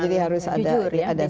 jadi harus ada screening